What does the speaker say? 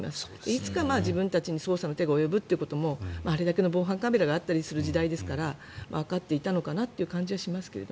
いつか、自分たちに捜査の手が及ぶということもあれだけの防犯カメラがあったりする時代ですからわかっていたのかなという感じはしますけど。